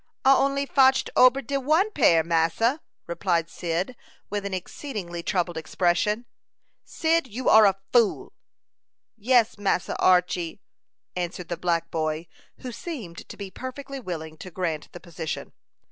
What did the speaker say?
"I only fotched ober de one pair, massa," replied Cyd, with an exceedingly troubled expression. "Cyd, you are a fool!" "Yes, Massa Archy," answered the black boy, who seemed to be perfectly willing to grant the position.